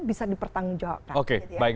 bisa dipertanggungjawabkan oke baik